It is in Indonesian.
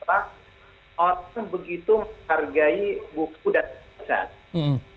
adalah orang itu begitu menghargai buku dan pesan